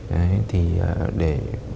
đấy thì để